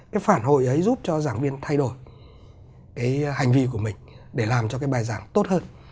cái phản hồi ấy giúp cho giảng viên thay đổi cái hành vi của mình để làm cho cái bài giảng tốt hơn